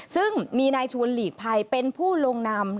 ซึ่งมีนายชวนหลีกภัยเป็นผู้ลงนำ